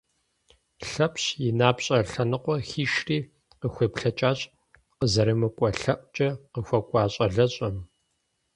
Лъэпщ и напщӏэ лъэныкъуэр хишри, къыхуеплъэкӏащ къызэрымыкӏуэ лъэӏукӏэ къыхуэкӏуа щӏалэщӏэм.